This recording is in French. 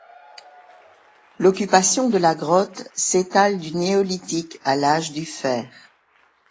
L'occupation de la grotte s'étale du Néolithique à l’âge du Fer.